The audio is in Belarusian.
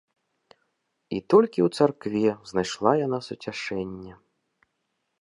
І толькі ў царкве знайшла яна суцяшэнне.